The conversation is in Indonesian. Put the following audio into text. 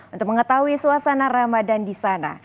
untuk mengetahui suasana ramadan di sana